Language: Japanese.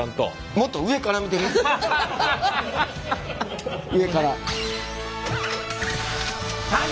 もっと上から見てみ上から。